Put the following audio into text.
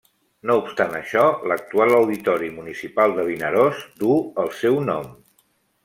No obstant això, l'actual Auditori Municipal de Vinaròs duu el seu nom.